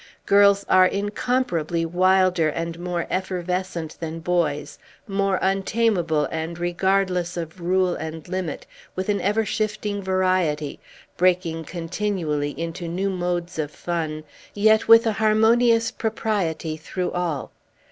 Girls are incomparably wilder and more effervescent than boys, more untamable and regardless of rule and limit, with an ever shifting variety, breaking continually into new modes of fun, yet with a harmonious propriety through all.